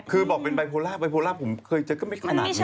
คือบอกเป็นไบโพล่าไบโพล่าผมเคยเจอก็ไม่ขนาดนั้น